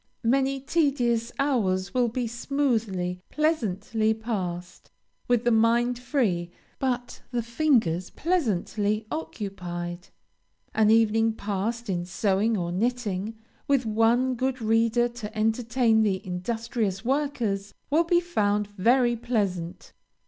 Many tedious hours will be smoothly, pleasantly passed, with the mind free, but the fingers pleasantly occupied. An evening passed in sewing or knitting, with one good reader to entertain the industrious workers, will be found very pleasant.